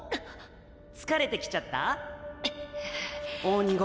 疲れてきちゃった？ッ！